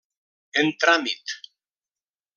En tràmit.